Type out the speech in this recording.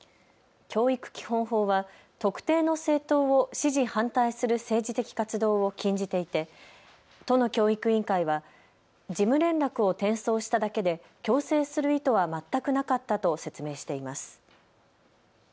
教育基本法は特定の政党を支持・反対する政治的活動を禁じていて都の教育委員会は事務連絡を転送しただけで強制する意図は全くなかったと説明しています。